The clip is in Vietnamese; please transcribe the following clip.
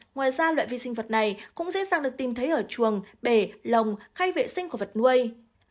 ngoài ra loại vi sinh vật này cũng dễ dàng được tìm thấy ở chuồng bể lồng hay vệ sinh của vật nuôi